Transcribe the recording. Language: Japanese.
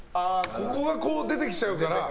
ここが出てきちゃうから。